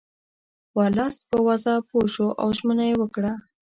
ورلسټ په وضع پوه شو او ژمنه یې وکړه.